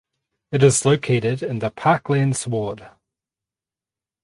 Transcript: It is located in the Parklands ward.